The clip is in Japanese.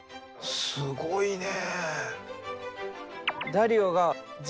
すごいね。